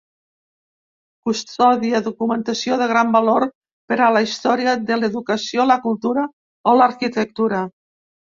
Custodia documentació de gran valor per a la història de l'educació, la cultura o l'arquitectura.